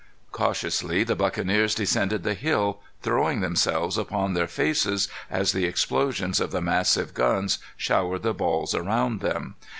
Cautiously the buccaneers descended the hill, throwing themselves upon their faces as the explosions of the massive guns showered the balls around them.